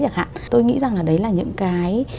chẳng hạn tôi nghĩ rằng là đấy là những cái